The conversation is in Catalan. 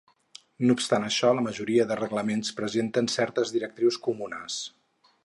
No obstant això, la majoria de reglaments presenten certes directrius comunes.